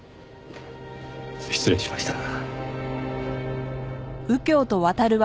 失礼しました。